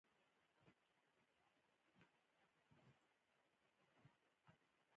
دا د چارو د ساده کولو لپاره دی.